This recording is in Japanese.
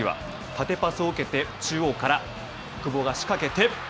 縦パスを受けて中央から久保が仕掛けて。